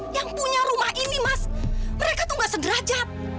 yang punya rumah ini mas mereka tuh gak sederajat